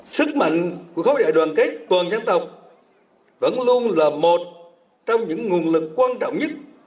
sức mạnh của khối đại đoàn kết toàn dân tộc vẫn luôn là một trong những nguồn lực quan trọng nhất